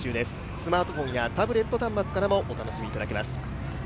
スマートフォンやタブレット端末からもお楽しみいただけます。